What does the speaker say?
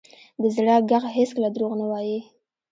د زړه ږغ هېڅکله دروغ نه وایي.